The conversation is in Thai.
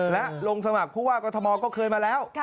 และลงสมัครผู้ว่ากรทมก็เคยมาแล้ว